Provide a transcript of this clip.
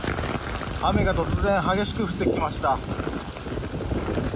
雨が突然激しく降ってきました。